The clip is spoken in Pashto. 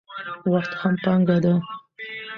وخت هم پانګه ده.